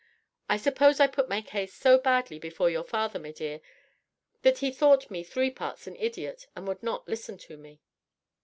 I suppose I put my case so badly before your father, m'dear, that he thought me three parts an idiot and would not listen to me."